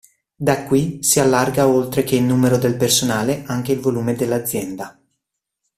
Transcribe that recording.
Da qui si allarga oltre che il numero del personale anche il volume dell'azienda.